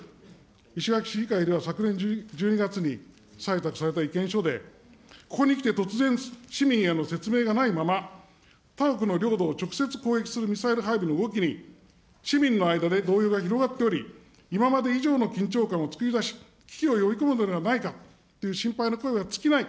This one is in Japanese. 石垣市議会では、昨年１２月に採択された意見書で、ここにきて、突然、市民への説明がないまま、他国の領土を直接攻撃するミサイル配備の動きに市民の間で動揺が広がっており、今まで以上の緊張感を作り出し、危機を呼び込むのではないかという心配の声が尽きない。